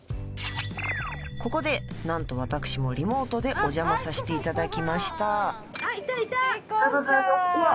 ここでなんと私もリモートでお邪魔させていただきましたあっいたいたヒコさんうわ